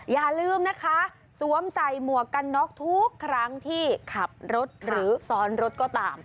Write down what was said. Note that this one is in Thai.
อย่าลืมนะคะสวมใส่หมวกกันน็อกทุกครั้งที่ขับรถหรือซ้อนรถก็ตาม